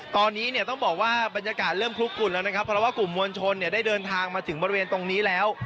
ตอนนี้เนี่ยต้องบอกว่าบรรยากาศเริ่มคลุกกุ่นแล้วนะครับเพราะว่ากลุ่มมวลชนเนี่ยได้เดินทางมาถึงบริเวณตรงนี้แล้ว